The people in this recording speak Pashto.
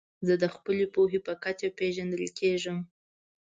زه د خپلي پوهي په کچه پېژندل کېږم.